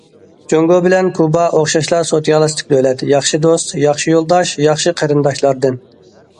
جۇڭگو بىلەن كۇبا ئوخشاشلا سوتسىيالىستىك دۆلەت، ياخشى دوست، ياخشى يولداش، ياخشى قېرىنداشلاردىن.